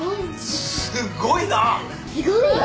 すごいな。